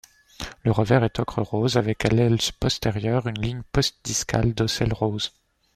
Le revers est ocre rose, avec à l'aile postérieure une ligne postdiscale d'ocelles roses.